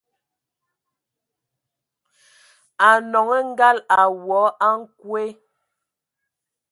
A nɔŋɔ ngal a woa a nkwe.